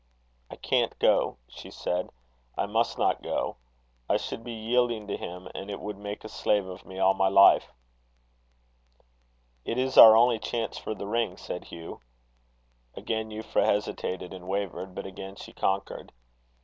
"I can't go," she said. "I must not go. I should be yielding to him, and it would make a slave of me all my life." "It is our only chance for the ring," said Hugh. Again Euphra hesitated and wavered; but again she conquered.